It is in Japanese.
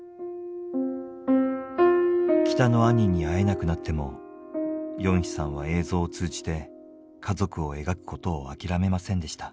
北の兄に会えなくなってもヨンヒさんは映像を通じて家族を描くことを諦めませんでした。